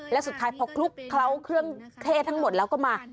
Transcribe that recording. แล้วสุดท้ายพอคลุกเคล้าเครื่องเทศทั้งหมดแล้วก็มา